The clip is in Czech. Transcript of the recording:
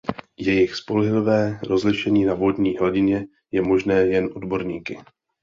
Jejich spolehlivé rozlišení na vodní hladině je možné jen odborníky.